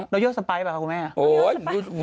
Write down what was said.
เรายดสป๊ายหรือเปล่าครับกูแม่